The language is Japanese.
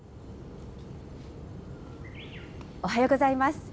おはようございます。